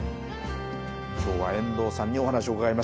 今日は遠藤さんにお話を伺いました。